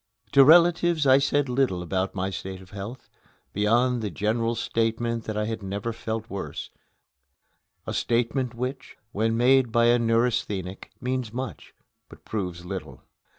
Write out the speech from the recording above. To relatives I said little about my state of health, beyond the general statement that I had never felt worse a statement which, when made by a neurasthenic, means much, but proves little.